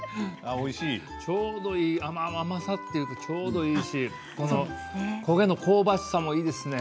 ちょうどいい甘さというか、ちょうどいいし焦げの香ばしさもいいですね。